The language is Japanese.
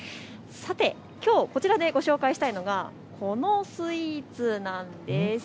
きょうこちらでご紹介したいのがこのスイーツなんです。